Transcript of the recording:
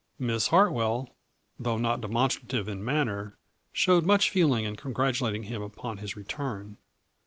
Miss Hartwell, though not demonstrative in manner, showed much feeling in congratulat ing him upon his return.